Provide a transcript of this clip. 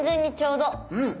うん。